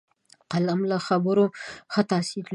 قلم له خبرو ښه تاثیر لري